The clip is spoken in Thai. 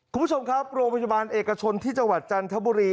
คุณผู้ชมครับโรงพยาบาลเอกชนที่จังหวัดจันทบุรี